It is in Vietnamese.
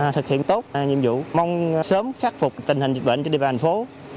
thực hiện tốt nhiệm vụ mong sớm khắc phục tình hình dịch bệnh trên địa bàn thành phố